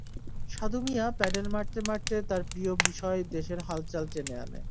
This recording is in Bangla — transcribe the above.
সাদু মিয়া প্যাডেল মারতে মারতে তার প্রিয় বিষয় দেশের হালচাল টেনে আনে।